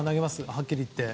はっきり言って。